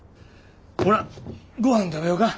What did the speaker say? ほなごはん食べよか。